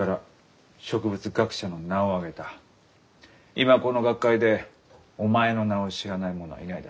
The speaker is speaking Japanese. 今この学会でお前の名を知らない者はいないだろう。